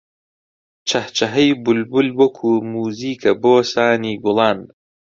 چەهچەهەی بولبول وەکوو مووزیکە بۆ سانی گوڵان